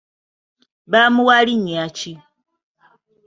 Baamuwa linnya ki?